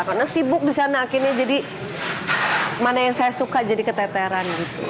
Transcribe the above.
karena sibuk di sana akhirnya jadi mana yang saya suka jadi keteteran gitu